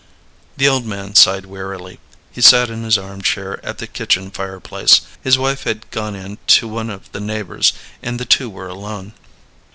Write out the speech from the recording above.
The old man sighed wearily. He sat in his arm chair at the kitchen fireplace; his wife had gone in to one of the neighbors, and the two were alone.